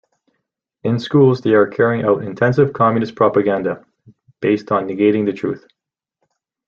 In schools they are carrying out intensive communist propaganda, based on negating the truth.